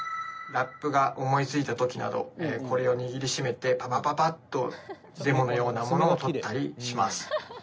ラップが思いついた時などこれを握りしめてパパパパッとデモのようなものを録ったりします。